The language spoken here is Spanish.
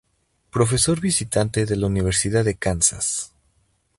Profesor visitante de la Universidad de Kansas.